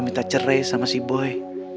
minta cerai sama si boy